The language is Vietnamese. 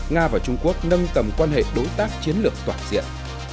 nga và trung quốc nâng tầm quan hệ đối tác chiến lược toàn diện